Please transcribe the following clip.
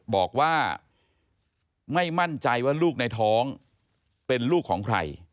บอกว่าไม่มั่นใจว่าลูกในท้องเป็นลูกของใคร